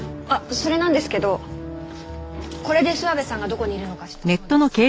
それなんですけどこれで諏訪部さんがどこにいるのか知ったそうです。